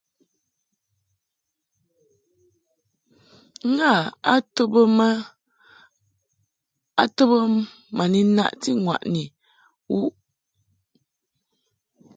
Ngâ a to bə ma ni naʼti ŋwàʼni wuʼ bə.